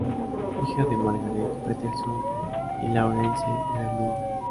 Hija de Margaret Patterson y Lawrence Granville.